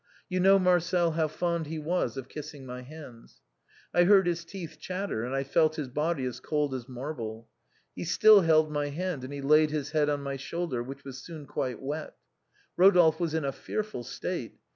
You know, Marcel, how fond he was of kissing my hands. I heard his teeth chatter and I felt his body as cold as marble. He still held my hand and he laid his head on my shoulder, which was soon quite wet. Eodolphe was in a fearful state.